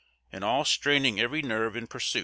and all straining every nerve in pursuit.